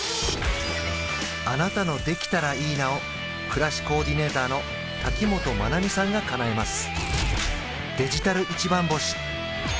あなたの「できたらいいな」を暮らしコーディネーターの瀧本真奈美さんがかなえます